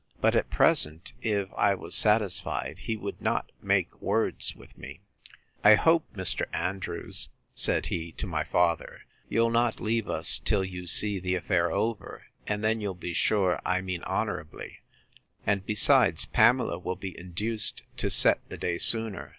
But, at present, if I was satisfied, he would not make words with me. I hope, Mr. Andrews, said he, to my father, you'll not leave us till you see the affair over, and then you'll be sure I mean honourably: and, besides, Pamela will be induced to set the day sooner.